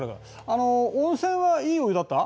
あの温泉はいいお湯だった？